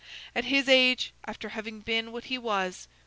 At his age, after having been what he was!